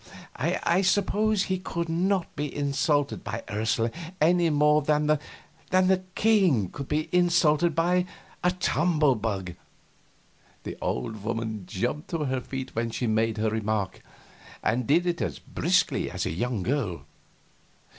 I suppose he could not be insulted by Ursula any more than the king could be insulted by a tumble bug. The old woman jumped to her feet when she made her remark, and did it as briskly as a young girl.